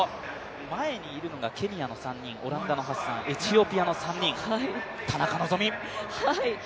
前にいるのがケニアの３人、オランダのハッサン、エチオピアの３人、田中希実。